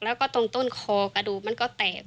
แล้วก็ตรงต้นคอกระดูกมันก็แตก